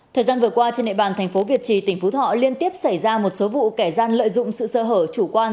thời gian vừa qua trên nệ bàn tp việt trì tỉnh phú thọ liên tiếp xảy ra một số vụ kẻ gian lợi dụng sự sơ hở chủ quan